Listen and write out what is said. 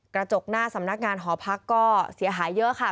กระจกหน้าสำนักงานหอพักก็เสียหายเยอะค่ะ